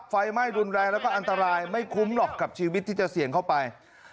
ไฟไหม้รุนแรงแล้วก็อันตรายไม่คุ้มหรอกกับชีวิตที่จะเสี่ยงเข้าไป